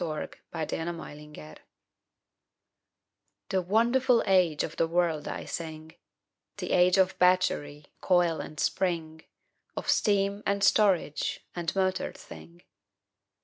THE AGE OF MOTORED THINGS The wonderful age of the world I sing— The age of battery, coil and spring, Of steam, and storage, and motored thing.